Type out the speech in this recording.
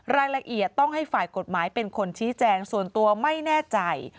รายละเอียดต้องให้ฝ่ายกฎหมายเป็นคนชี้แจงส่วนตัวไม่แน่ใจ